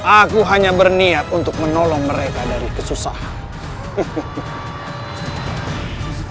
aku hanya berniat untuk menolong mereka dari kesusahan